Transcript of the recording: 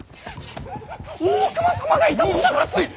大隈様がいたもんだからつい。